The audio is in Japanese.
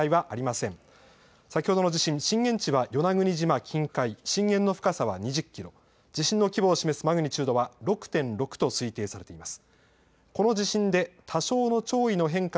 先ほどの地震、震源地は与那国島近海、震源の深さは２０キロ、地震の規模を示すマグニチュードは６．６と推定されています。